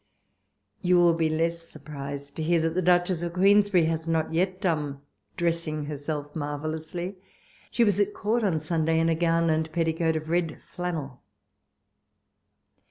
You will be less surprised to hear that the Duchess of Queensberry has not yet done dressing herself marvellously : she was at Court on Sunday in a gown and petticoat of red flannel.